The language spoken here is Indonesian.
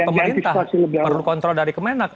pemerintah perlu kontrol dari kemenak